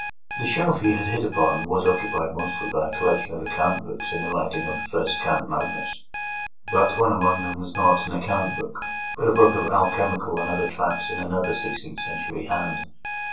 The shelf he had hit upon was occupied mostly by a collection of account books in the writing of the first Count Magnus. But one among them was not an account book, but a book of alchemical and other tracts in another sixteenth century hand.